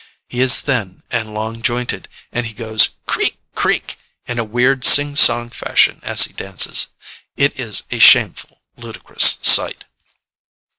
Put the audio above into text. He is thin and long jointed, and he goes "creak, creak," in a weird, sing song fashion as he dances. It is a shameful, ludicrous sight.